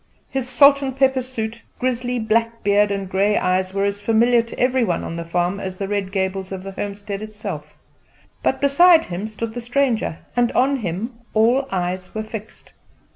His salt and pepper suit, grizzly black beard, and grey eyes were as familiar to every one on the farm as the red gables of the homestead itself; but beside him stood the stranger, and on him all eyes were fixed.